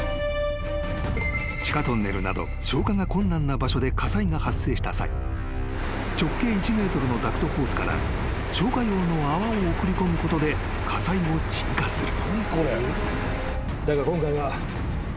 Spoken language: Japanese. ［地下トンネルなど消火が困難な場所で火災が発生した際直径１ｍのダクトホースから消火用の泡を送り込むことで火災を鎮火する］